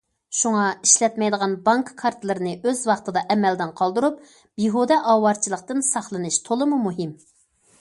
شۇڭا ئىشلەتمەيدىغان بانكا كارتىلىرىنى ئۆز ۋاقتىدا ئەمەلدىن قالدۇرۇپ، بىھۇدە ئاۋارىچىلىكتىن ساقلىنىش تولىمۇ مۇھىم.